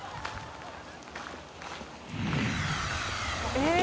えっ！